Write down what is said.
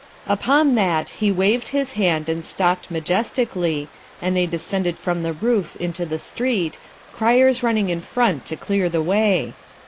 Upon that he waved his hand and stalked majestically, and they descended from the roof into the street, criers running in front to clear the way.